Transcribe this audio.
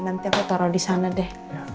nanti aku taruh di sana deh